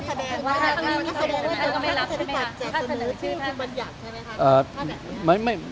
ท่านบัญญัติใช่ไหมครับ